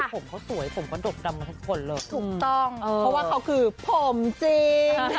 ทุกต้องเออวะเท่าคือผมสี